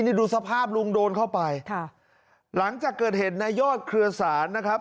นี่ดูสภาพลุงโดนเข้าไปค่ะหลังจากเกิดเหตุนายยอดเครือสารนะครับ